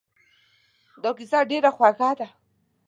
دا کیسه ډېره خوږه ده.